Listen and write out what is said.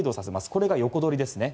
これが横取りですね。